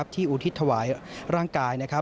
ที่อูทิศถวายร่างกาย